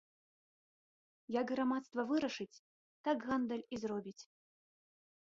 Як грамадства вырашыць, так гандаль і зробіць.